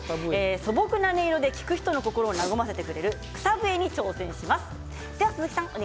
素朴な音色で聴く人の心を和ませてくれる草笛に挑戦します。